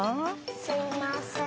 すいません。